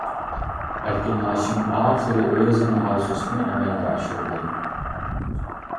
ئەركىن ھاشىم ئاخىرى ئۆزىنىڭ ئارزۇسىنى ئەمەلگە ئاشۇردى.